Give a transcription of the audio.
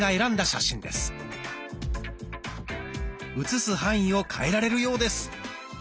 写す範囲を変えられるようです。